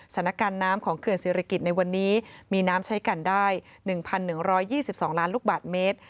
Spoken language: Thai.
ศนาการน้ำของเคลื่อนศิริริกิษฐ์ในวันนี้มีน้ำใช้กันได้๑๑๒๒๐๐๐ลูกบาทเมตร